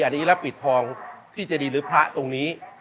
อันนี้รับปิดทองที่เจดีหรือพระตรงนี้